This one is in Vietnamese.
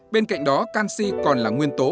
bên cạnh đó canxi còn là nguyên tố